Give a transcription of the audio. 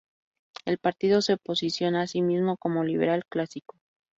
El partido se posiciona asimismo como liberal clásico.